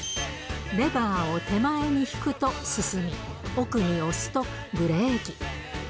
レバーを手前に引くと進み、奥に押すとブレーキ。